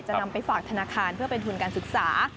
นำไปฝากธนาคารเพื่อเป็นทุนการศึกษา